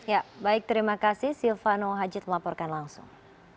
ya baik terima kasih silvano hajid melaporkan langsung